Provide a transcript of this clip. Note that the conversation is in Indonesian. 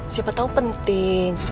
siapa tahu penting